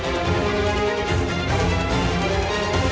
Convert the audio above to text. tidak ada yang bisa dihukum